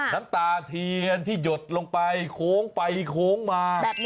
น้ำตาเทียนที่หยดลงไปโค้งไปโค้งมา